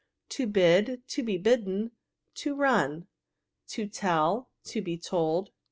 To bid. To be bidden. To run. To tell. To be told.